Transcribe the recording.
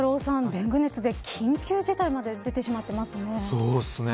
デング熱で緊急事態まで出てしまっていますね。